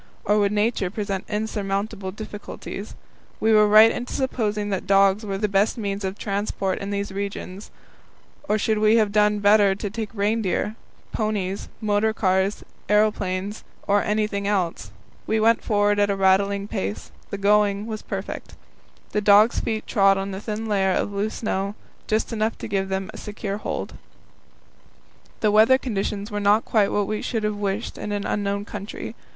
Or would Nature present insurmountable difficulties? Were we right in supposing that dogs were the best means of transport in these regions, or should we have done better to take reindeer, ponies, motor cars, aeroplanes, or anything else? We went forward at a rattling pace; the going was perfect. The dogs' feet trod on a thin layer of loose snow, just enough to give them a secure hold. The weather conditions were not quite what we should have wished in an unknown country.